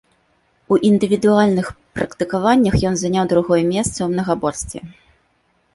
У індывідуальных практыкаваннях ён заняў другое месца ў мнагаборстве.